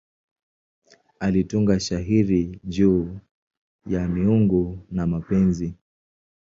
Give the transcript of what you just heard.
Alitunga shairi juu ya miungu na mapenzi.